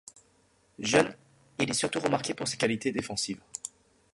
Jeune, il est surtout remarqué pour ses qualités défensives.